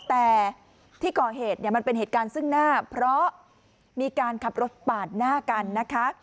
แต่ที่ก่อเหตุเนี่ยมันเป็นเหตุการณ์ซึ่งหน้าเพราะมีการขับรถปาดหน้ากันนะคะ